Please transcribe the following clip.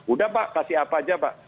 udah pak kasih apa aja pak